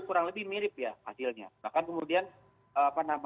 kurang lebih mirip ya hasilnya bahkan kemudian